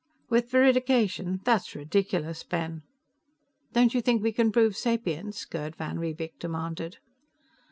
"With veridication? That's ridiculous, Ben." "Don't you think we can prove sapience?" Gerd van Riebeek demanded.